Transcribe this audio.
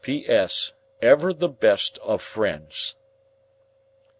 "P.S. Ever the best of friends."